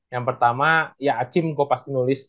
yang pertama ya acim gue pasti nulis